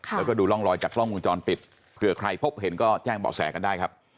แล้วก็ดูร่องรอยจากกล้องวงจรปิดเผื่อใครพบเห็นก็แจ้งเบาะแสกันได้ครับ